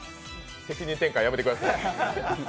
責任転嫁やめてください。